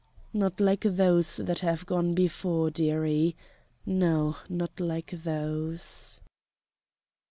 "Not like those that have gone before, dearie no, not like those."